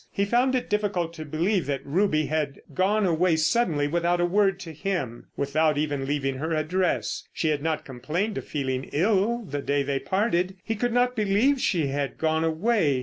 He found it difficult to believe that Ruby had gone away suddenly without a word to him, without even leaving her address. She had not complained of feeling ill the day they parted. He could not believe she had gone away.